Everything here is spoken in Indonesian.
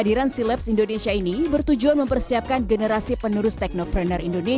dan dihadiri juga oleh presiden joko widodo